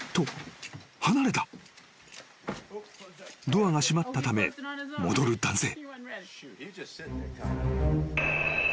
［ドアが閉まったため戻る男性］